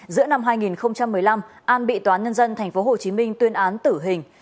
giữa năm hai nghìn một mươi năm an bị toán nhân dân tp hcm tuyên án tử hình